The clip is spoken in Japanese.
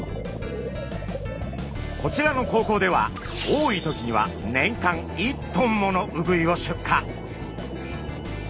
こちらの高校では多い時には年間１ｔものウグイを出荷。